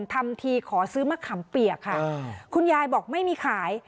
ทำทีขอซื้อมะขามเปียกค่ะคุณยายบอกไม่มีขาย